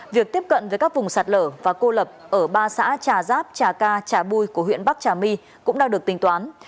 việc tiếp cận với các vùng sạt lở và cô lập ở ba xã trà giáp trà ca trà bui của huyện bắc trà my cũng đang được tính toán